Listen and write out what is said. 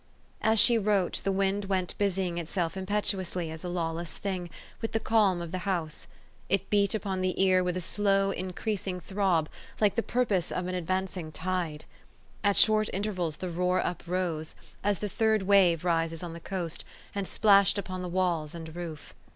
As she wrote, the wind went busying itself im petuously as a lawless feeling, with the calm of the house. It beat upon the ear with a slow, increasing throb, like the purpose of an advancing tide. At short intervals the roar uprose, as the u third wave" rises on the coast, and splashed upon the walls and roof.